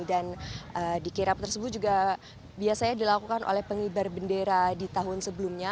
dan di kirap tersebut juga biasanya dilakukan oleh pengibar bendera di tahun sebelumnya